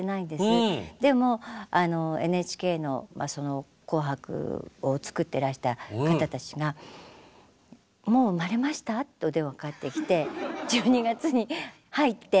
でもＮＨＫの「紅白」を作ってらした方たちが「もう産まれました？」ってお電話かかってきて１２月に入って。